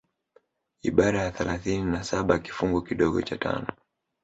Ibara ya thalathini na saba kifungu kidogo cha tano